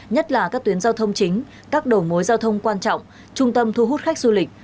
nhất là các tuyến giao thông chính các đầu mối giao thông quan trọng trung tâm thu hút khách du lịch